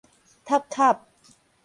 塌磕